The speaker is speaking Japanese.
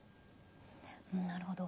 なるほど。